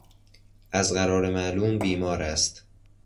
از قرار معلوم بیمار است.